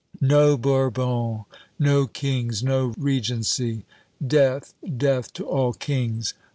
"No Bourbons! No kings! No Regency! Death death to all kings!